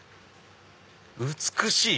美しい！